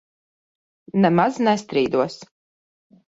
Nemaz nestrīdos.